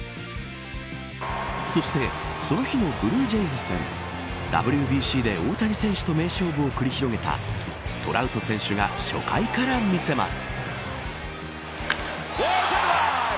そしてその日のブルージェイズ戦ＷＢＣで大谷選手と名勝負を繰り広げたトラウト選手が初回から見せます。